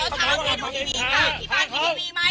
ขอถามให้ดูที่มีค่ะที่บ้านที่มีมั้ย